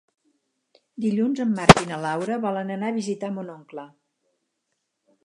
Dilluns en Marc i na Laura volen anar a visitar mon oncle.